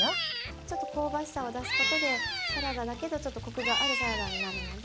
ちょっと香ばしさを出すことでサラダだけどちょっとコクがあるサラダになるので。